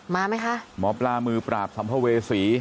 มาไหมคะหมอปลามือปราบสัมภเวษี